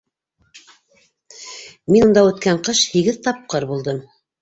— Мин унда үткән ҡыш һигеҙ тапҡыр булдым.